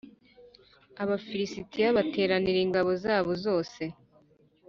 Abafilisitiya bateraniriza ingabo zabo zose